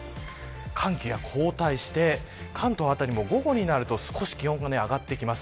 寒気が後退して関東あたりも午後になると少し気温が上がってきます。